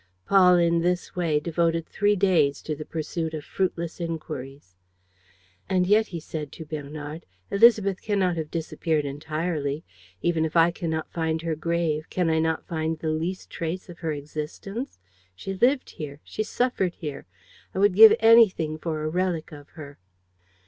Paul in this way devoted three days to the pursuit of fruitless inquiries. "And yet," he said to Bernard, "Élisabeth cannot have disappeared entirely. Even if I cannot find her grave, can I not find the least trace of her existence? She lived here. She suffered here. I would give anything for a relic of her."